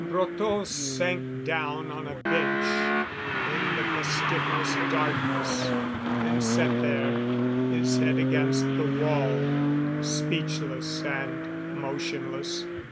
Brotteaux sank down on a bench in the pestiferous darkness and sat there, his head against the wall, speechless and motionless.